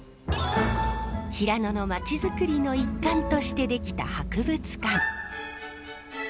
平野の町づくりの一環として出来た博物館。